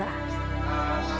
mas faiz ajak dong